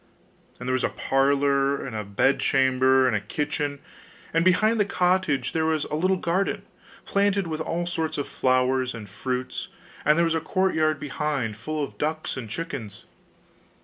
And there was a parlour, and a bedchamber, and a kitchen; and behind the cottage there was a little garden, planted with all sorts of flowers and fruits; and there was a courtyard behind, full of ducks and chickens.